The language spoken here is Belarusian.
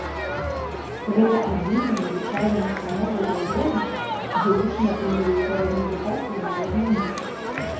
Гэта адзіная навучальная ўстанова ў раёне, дзе вучні атрымліваюць сярэднюю адукацыю на роднай мове.